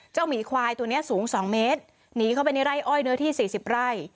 เจ้าหมีควายตัวนี้สูง๒เมตรหนีเข้าไปในไร้อ้อยเนื้อที่๔๐ไร้